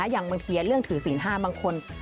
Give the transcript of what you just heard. อย่างบางทีเรื่องถือศีล๕บางคน